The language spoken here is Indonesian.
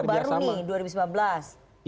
dengan pak prabowo baru nih dua ribu sembilan belas